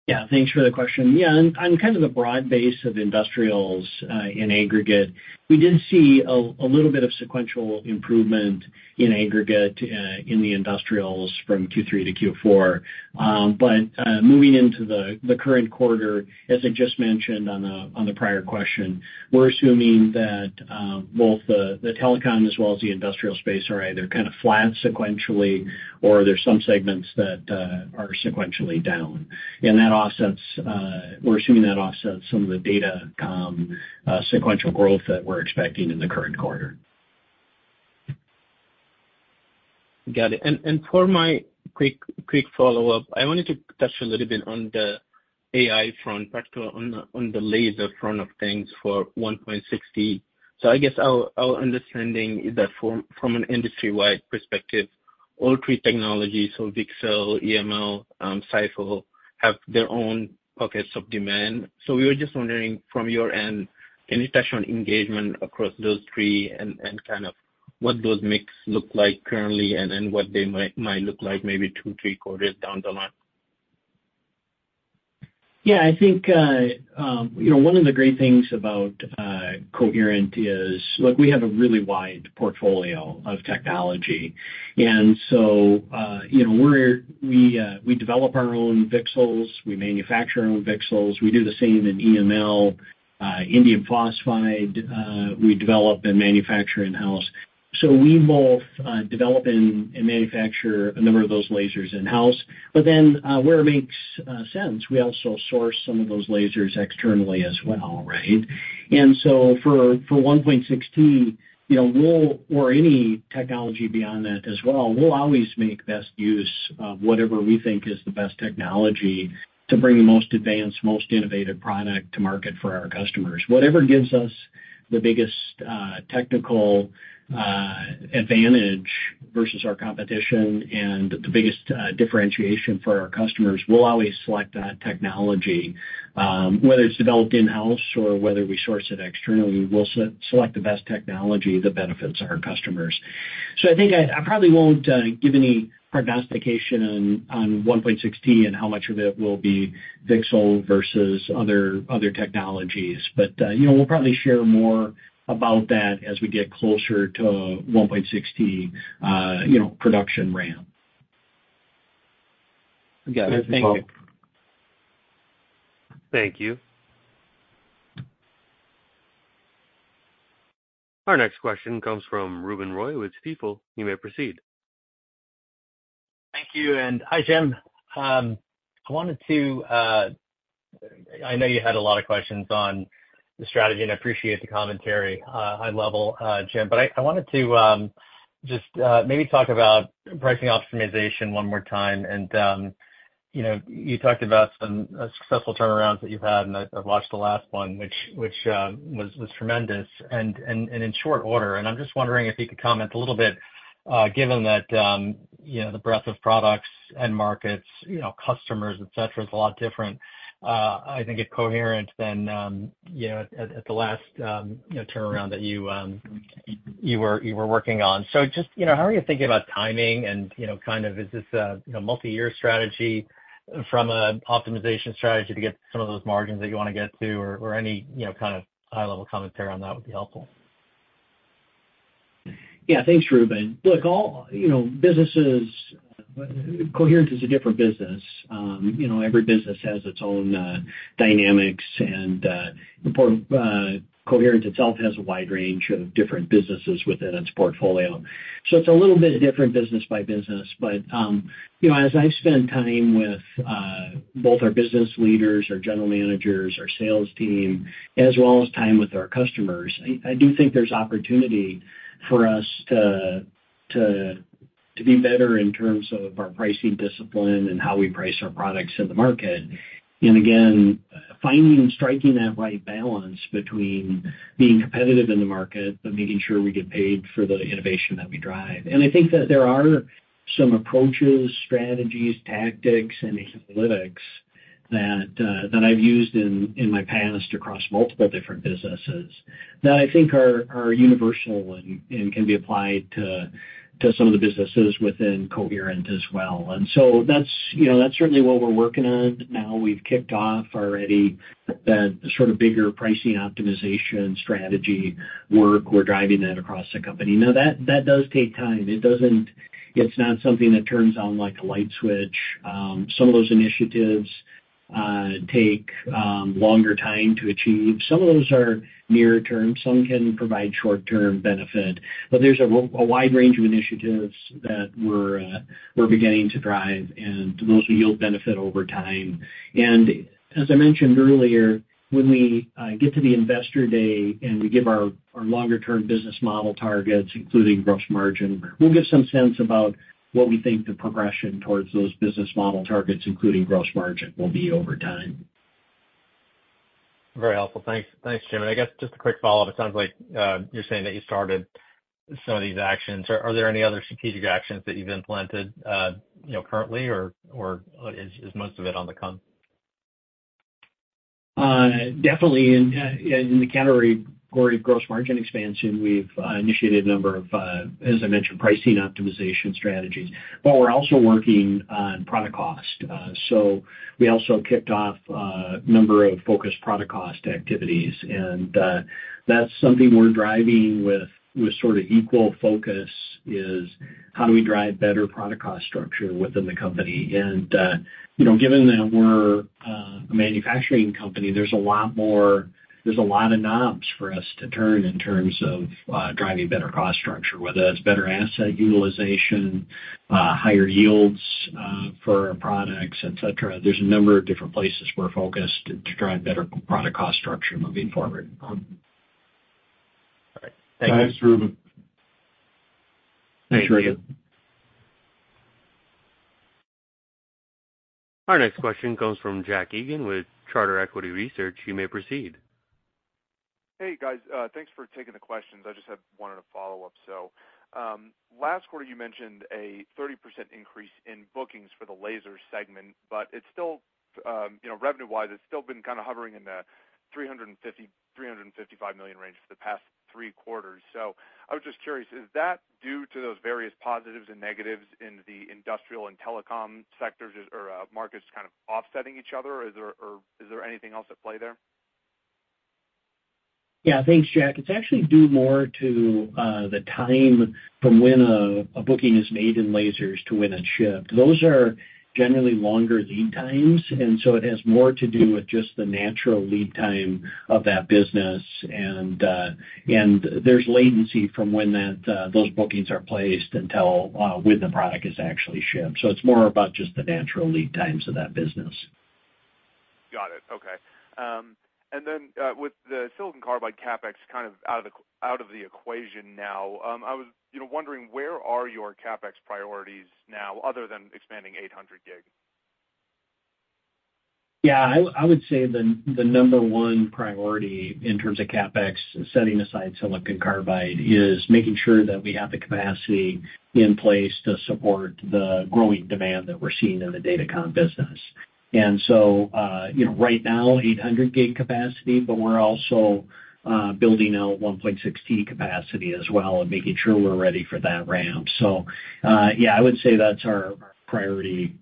Yeah, thanks for the question. Yeah, on kind of the broad base of industrials, in aggregate, we did see a little bit of sequential improvement in aggregate, in the industrials from Q3 to Q4. But, moving into the current quarter, as I just mentioned on the prior question, we're assuming that both the telecom as well as the industrial space are either kind of flat sequentially or there's some segments that are sequentially down. And that offsets, we're assuming that offsets some of the datacom sequential growth that we're expecting in the current quarter. Got it. And for my quick follow-up, I wanted to touch a little bit on the AI front, particularly on the laser front of things for 1.6. So I guess our understanding is that from an industry-wide perspective, all three technologies, so VCSEL, EML, SiPh, have their own pockets of demand. So we were just wondering from your end, any touch on engagement across those three and kind of what those mix look like currently, and then what they might look like maybe two, three quarters down the line? Yeah, I think, you know, one of the great things about, Coherent is, look, we have a really wide portfolio of technology. And so, you know, we develop our own VCSELs, we manufacture our own VCSELs. We do the same in EML, indium phosphide, we develop and manufacture in-house. So we both develop and manufacture a number of those lasers in-house. But then, where it makes, sense, we also source some of those lasers externally as well, right? And so for 1.6, you know, we'll, or any technology beyond that as well, we'll always make best use of whatever we think is the best technology to bring the most advanced, most innovative product to market for our customers. Whatever gives us the biggest technical advantage versus our competition and the biggest differentiation for our customers, we'll always select that technology, whether it's developed in-house or whether we source it externally, we'll select the best technology that benefits our customers. So I think I probably won't give any prognostication on 1.6 and how much of it will be VCSEL versus other technologies. But you know, we'll probably share more about that as we get closer to 1.6, you know, production ramp. Got it. Thank you. Thank you. Our next question comes from Ruben Roy with Stifel. You may proceed. Thank you, and hi, Jim. I wanted to, I know you had a lot of questions on the strategy, and I appreciate the commentary, high-level, Jim. But I, I wanted to, just, maybe talk about pricing optimization one more time. And, you know, you talked about some successful turnarounds that you've had, and I, I've watched the last one, which was tremendous, and in short order. And I'm just wondering if you could comment a little bit, given that, you know, the breadth of products and markets, you know, customers, et cetera, is a lot different, I think at Coherent than, you know, at the last, you know, turnaround that you were working on. So just, you know, how are you thinking about timing? You know, kind of, is this a, you know, multiyear strategy from an optimization strategy to get some of those margins that you wanna get to, or, or any, you know, kind of high-level commentary on that would be helpful? Yeah. Thanks, Ruben. Look, all, you know, businesses, Coherent is a different business. You know, every business has its own dynamics, and Coherent itself has a wide range of different businesses within its portfolio. So it's a little bit different business by business. But you know, as I've spent time with both our business leaders, our general managers, our sales team, as well as time with our customers, I do think there's opportunity for us to be better in terms of our pricing discipline and how we price our products in the market. And again, finding and striking that right balance between being competitive in the market, but making sure we get paid for the innovation that we drive. I think that there are some approaches, strategies, tactics, and analytics that that I've used in my past across multiple different businesses that I think are universal and can be applied to some of the businesses within Coherent as well. And so that's, you know, that's certainly what we're working on. Now, we've kicked off already the sort of bigger pricing optimization strategy work. We're driving that across the company. Now, that does take time. It doesn't. It's not something that turns on like a light switch. Some of those initiatives take longer time to achieve. Some of those are near term, some can provide short-term benefit, but there's a wide range of initiatives that we're beginning to drive, and those will yield benefit over time. And as I mentioned earlier, when we get to the Investor Day, and we give our longer-term business model targets, including gross margin, we'll give some sense about what we think the progression towards those business model targets, including gross margin, will be over time. Very helpful. Thanks. Thanks, Jim. And I guess just a quick follow-up. It sounds like you're saying that you started some of these actions. Are there any other strategic actions that you've implemented, you know, currently, or is most of it on the come? Definitely in the category of gross margin expansion, we've initiated a number of, as I mentioned, pricing optimization strategies, but we're also working on product cost. So we also kicked off a number of focused product cost activities, and that's something we're driving with sort of equal focus is how do we drive better product cost structure within the company? And you know, given that we're a manufacturing company, there's a lot of knobs for us to turn in terms of driving better cost structure, whether that's better asset utilization, higher yields for our products, et cetera. There's a number of different places we're focused to drive better product cost structure moving forward. All right. Thank you. Thanks, Ruben. Thanks, Ruben. Our next question comes from Jack Egan with Charter Equity Research. You may proceed. Hey, guys. Thanks for taking the questions. I wanted to follow up. So, last quarter, you mentioned a 30% increase in bookings for the Laser segment, but it's still, you know, revenue-wise, it's still been kind of hovering in the $350 million-$355 million range for the past three quarters. So I was just curious, is that due to those various positives and negatives in the industrial and telecom sectors or markets kind of offsetting each other? Or is there anything else at play there? Yeah. Thanks, Jack. It's actually due more to the time from when a booking is made in lasers to when it's shipped. Those are generally longer lead times, and so it has more to do with just the natural lead time of that business. And there's latency from when those bookings are placed until when the product is actually shipped. So it's more about just the natural lead times of that business. Got it. Okay. And then, with the Silicon Carbide CapEx kind of out of the equation now, I was, you know, wondering where are your CapEx priorities now other than expanding 800G? Yeah, I would say the number one priority in terms of CapEx, setting aside Silicon Carbide, is making sure that we have the capacity in place to support the growing demand that we're seeing in the datacom business. And so, you know, right now, 800G capacity, but we're also building out 1.6T capacity as well and making sure we're ready for that ramp. So, yeah, I would say that's our priority,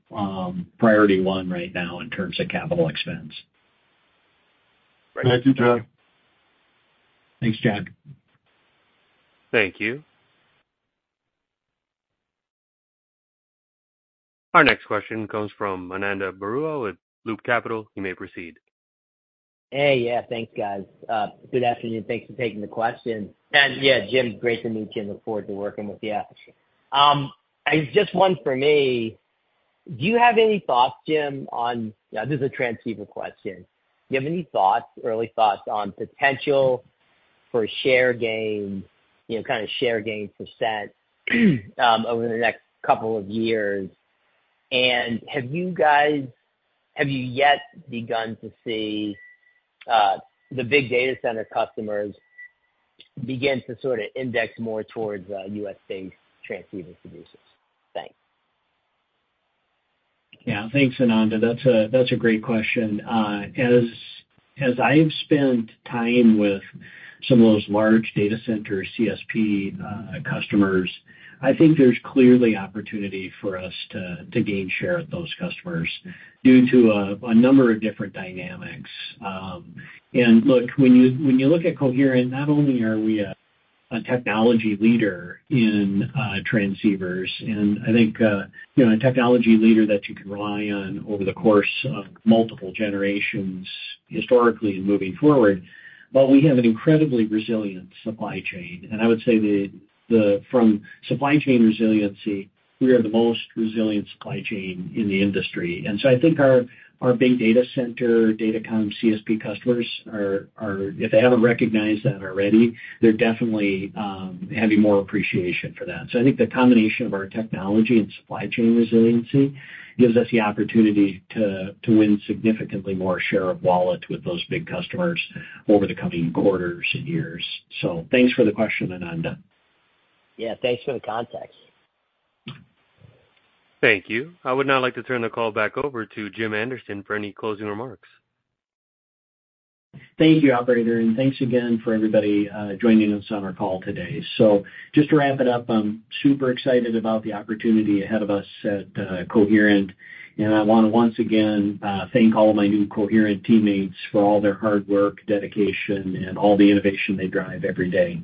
priority one right now in terms of capital expense. Great. Thank you, Jack. Thanks, Jack. Thank you. Our next question comes from Ananda Baruah with Loop Capital. You may proceed. Hey. Yeah, thanks, guys. Good afternoon, thanks for taking the question. And yeah, Jim, great to meet you and look forward to working with you. Just one for me. Do you have any thoughts, Jim, on—yeah, this is a transceiver question. Do you have any thoughts, early thoughts on potential for share gain, you know, kind of share gain percent, over the next couple of years? And have you guys begun to see the big data center customers begin to sort of index more towards U.S.-based transceiver producers? Thanks. Yeah. Thanks, Ananda. That's a, that's a great question. As, as I've spent time with some of those large data center CSP customers, I think there's clearly opportunity for us to, to gain share with those customers due to a number of different dynamics. And look, when you, when you look at Coherent, not only are we a, a technology leader in transceivers, and I think, you know, a technology leader that you can rely on over the course of multiple generations, historically and moving forward, but we have an incredibly resilient supply chain. And I would say the, the from supply chain resiliency, we are the most resilient supply chain in the industry. And so I think our, our big data center, datacom CSP customers are, are, if they haven't recognized that already, they're definitely having more appreciation for that. So I think the combination of our technology and supply chain resiliency gives us the opportunity to win significantly more share of wallet with those big customers over the coming quarters and years. So thanks for the question, Ananda. Yeah, thanks for the context. Thank you. I would now like to turn the call back over to Jim Anderson for any closing remarks. Thank you, operator, and thanks again for everybody joining us on our call today. So just to wrap it up, I'm super excited about the opportunity ahead of us at Coherent. And I wanna once again thank all of my new Coherent teammates for all their hard work, dedication, and all the innovation they drive every day.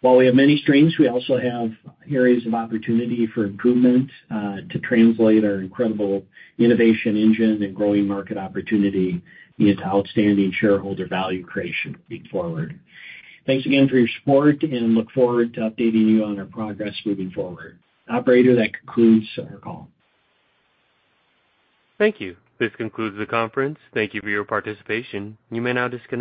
While we have many strengths, we also have areas of opportunity for improvement to translate our incredible innovation engine and growing market opportunity into outstanding shareholder value creation moving forward. Thanks again for your support, and look forward to updating you on our progress moving forward. Operator, that concludes our call. Thank you. This concludes the conference. Thank you for your participation. You may now disconnect.